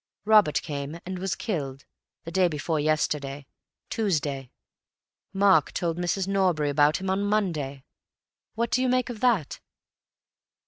Robert came, and was killed, the day before yesterday—Tuesday. Mark told Mrs. Norbury about him on Monday. What do you make of that?"